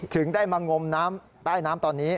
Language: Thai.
ถึงได้มางมน้ำใต้น้ำตอนนี้